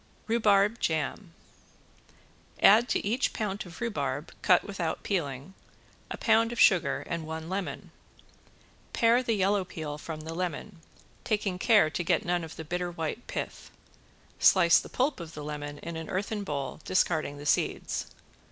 ~RHUBARB JAM~ Add to each pound of rhubarb cut without peeling, a pound of sugar and one lemon. Pare the yellow peel from the lemon, taking care to get none of the bitter white pith. Slice the pulp of the lemon in an earthen bowl, discarding the seeds.